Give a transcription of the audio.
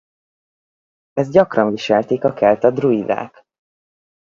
Ezt gyakran viselték a kelta druidák.